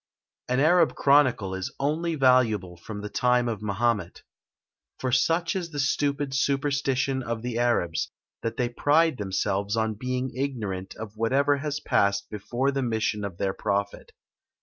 An Arabic chronicle is only valuable from the time of Mahomet. For such is the stupid superstition of the Arabs, that they pride themselves on being ignorant of whatever has passed before the mission of their Prophet.